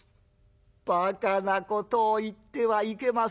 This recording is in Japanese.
ばかなことを言ってはいけません。